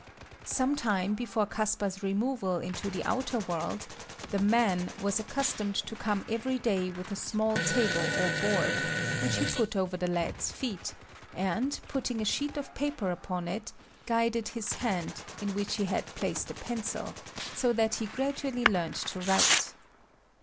Some time before Caspar's removal into the outer world, "the man" was accustomed to come every day with a small table or board, which he put over the lad's feet, and putting a sheet of paper upon it, guided his hand, in which he had placed a pencil, so that he gradually learnt to write.